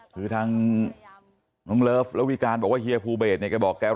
คือทั้งน้องเลิฟร์และวิการ์บอกว่าเฮียพูเวทเนี่ยกลับมาได้บอก